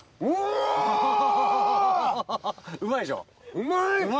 うまい。